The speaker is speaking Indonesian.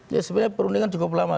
ya sebenarnya perundingan cukup lama